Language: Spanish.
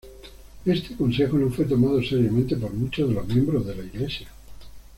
Este consejo no fue tomado seriamente por muchos de los miembros de la iglesia.